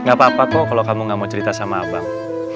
gak apa apa kok kalau kamu gak mau cerita sama abang